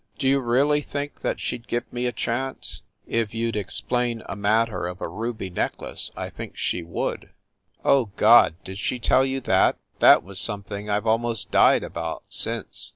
Do you really think that she d give me a chance ?" "If you d explain a matter of a ruby necklace, I think she would." "Oh God! Did she tell you that? That was something I ve almost died about, since.